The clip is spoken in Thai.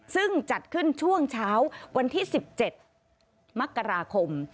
ซึ่งจัดขึ้นช่วงเช้าวันที่๑๗มกราคม